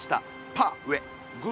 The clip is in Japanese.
パー上。